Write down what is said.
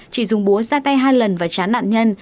chỉ dùng búa ra tay hai lần và chán nạn nhân